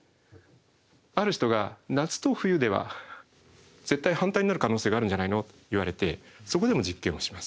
ある人が「夏と冬では絶対反対になる可能性があるんじゃないの」と言われてそこでも実験をします。